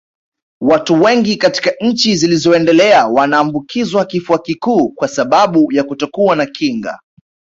Watu wengi katika nchi zilizoendelea wanaambukizwa kifua kikuu kwa sababu ya kutokuwa na kinga